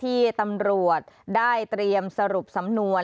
ที่ตำรวจได้เตรียมสรุปสำนวน